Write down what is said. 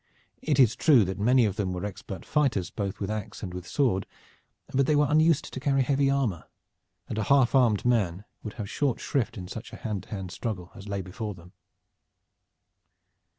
It is true that many of them were expert fighters both with ax and with sword, but they were unused to carry heavy armor, and a half armed man would have short shrift in such a hand to hand struggle as lay before them.